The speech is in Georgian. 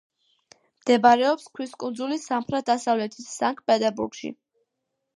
მდებარეობს ქვის კუნძულის სამხრეთ-დასავლეთით, სანქტ-პეტერბურგში.